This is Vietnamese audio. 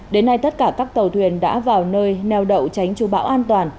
đến nay tất cả các tàu thuyền đã vào nơi neo đậu tránh chú bão an toàn